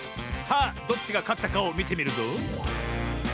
さあどっちがかったかをみてみるぞ。